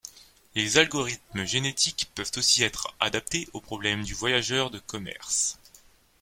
Les algorithmes génétiques peuvent aussi être adaptés au problème du voyageur de commerce.